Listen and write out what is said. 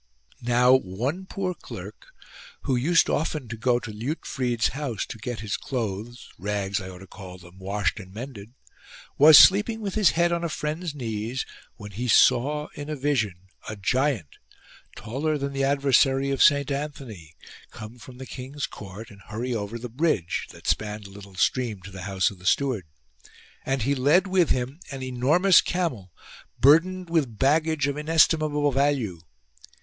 Now one poor clerk, who used often to go to Liutfrid's house to get his clothes (rags I ought to call them) washed and mended, was sleeping with his head on a friend's knees, when he saw in a vision a giant, taller than the adversary of Saint Anthony, come from the king's court and hurry over the bridge, that spanned a little stream, to the house of the steward ; and he led with him an enormous camel, burdened with baggage of inestim able value.